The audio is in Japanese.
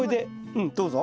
うんどうぞ。